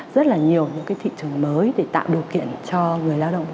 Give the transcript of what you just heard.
rất là nhiều những cái thị trường mới để tạo điều kiện cho người lao động